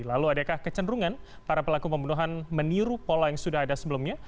lalu adakah kecenderungan para pelaku pembunuhan meniru pola yang sudah ada sebelumnya